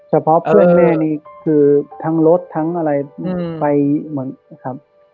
เพื่อนแม่นี่คือทั้งรถทั้งอะไรไปหมดนะครับ